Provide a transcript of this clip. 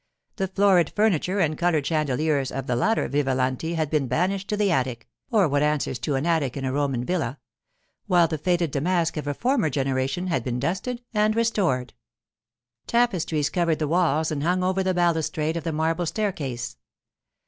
The florid furniture and coloured chandeliers of the latter Vivalanti had been banished to the attic (or what answers to an attic in a Roman villa), while the faded damask of a former generation had been dusted and restored. Tapestries covered the walls and hung over the balustrade of the marble staircase.